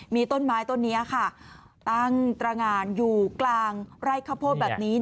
มีต้นไม้ต้นนี้ค่ะตั้งตรงานอยู่กลางไร่ข้าวโพดแบบนี้